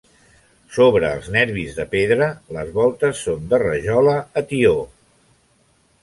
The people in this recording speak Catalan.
Sobre els nervis de pedra, les voltes són de rajola a tió.